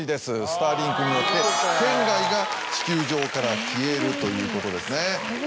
スターリンクによって圏外が地球上から消えるということですね。